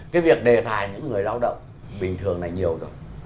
cái việc đề tài những người lao động bình thường này nhiều rồi